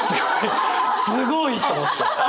すごいと思って。